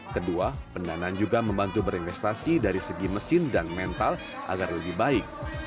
kedua pendanaan juga membantu berinvestasi dari segi mesin dan mental agar lebih baik